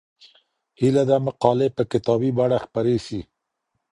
هيله ده مقالې په کتابي بڼه خپرې سي.